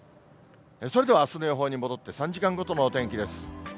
それではあすの予報に戻って３時間ごとのお天気です。